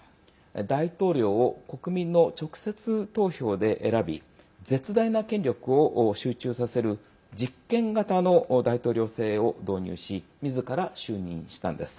大統領を国民の直接投票で選び絶大な権力を集中させる実権型の大統領制を導入しみずから就任したんです。